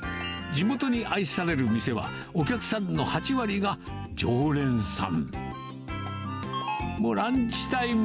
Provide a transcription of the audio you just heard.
地元に愛される店は、お客さんの８割が常連さん。